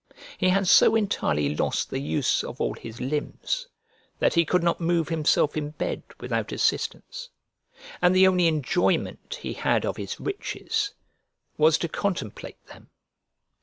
He had so entirely lost the use of all his limbs that he could not move himself in bed without assistance; and the only enjoyment he had of his riches was to contemplate them.